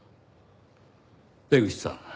江口さん。